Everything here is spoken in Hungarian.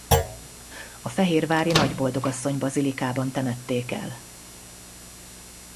A fehérvári Nagyboldogasszony-bazilikában temették el.